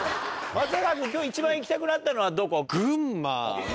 松坂君今日一番行きたくなったのはどこ？